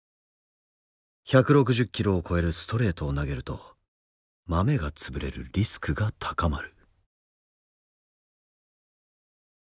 １６０キロを超えるストレートを投げるとまめが潰れるリスクが高まる。